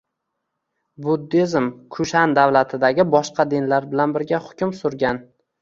Buddizm Kushan davlatidagi boshqa dinlar bilan birga hukm surgan.